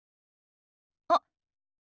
あっ。